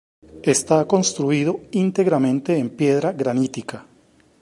Está construido íntegramente en piedra granítica.